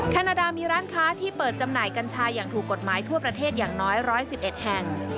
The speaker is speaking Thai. แคนาดามีร้านค้าที่เปิดจำหน่ายกัญชาอย่างถูกกฎหมายทั่วประเทศอย่างน้อย๑๑๑แห่ง